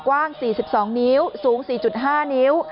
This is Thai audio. กว้าง๔๒นิ้วสูง๔๕นิ้ว